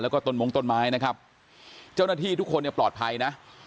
แล้วก็ต้นมงต้นไม้นะครับเจ้าหน้าที่ทุกคนเนี่ยปลอดภัยนะ